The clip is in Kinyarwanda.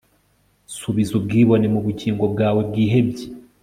subiza ubwibone mu bugingo bwawe bwihebye